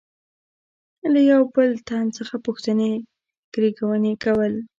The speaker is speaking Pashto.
له یوه بل تن څخه پوښتنې ګروېږنې کول.